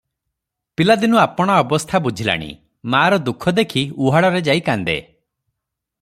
ପିଲାଦିନୁ ଆପଣା ଅବସ୍ଥା ବୁଝିଲାଣି! ମାଆର ଦୁଃଖ ଦେଖି ଉହାଡ଼ରେ ଯାଇ କାନ୍ଦେ ।